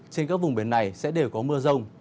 trên các vùng biển này sẽ đều có mưa rông